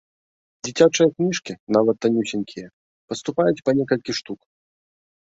Дзіцячыя кніжкі, нават танюсенькія, паступаюць па некалькі штук.